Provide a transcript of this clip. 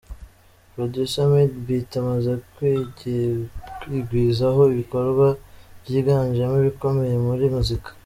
Producer Madebeat amaze kwigwizaho ibikorwa byiganjemo ibikomeye muri muzika.